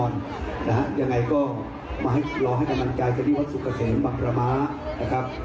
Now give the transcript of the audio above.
จะให้สินค้าต่อพรุ่งนี้ขอบหันใจจากท่าน